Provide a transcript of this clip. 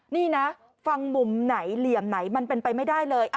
นี่นะฟังมุมไหนเหลี่ยมไหนมันเป็นไปไม่ได้เลย